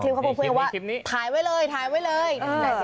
ถ่ายไว้เลย